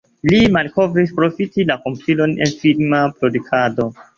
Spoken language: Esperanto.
Li malkovris profiti la komputilon en filma produktado.